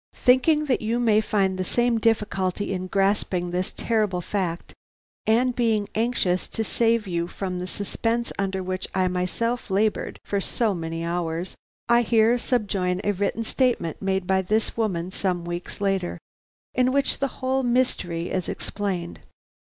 Thinking that you may find the same difficulty in grasping this terrible fact, and being anxious to save you from the suspense under which I myself labored for so many hours, I here subjoin a written statement made by this woman some weeks later, in which the whole mystery is explained.